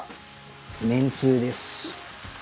めんつゆです。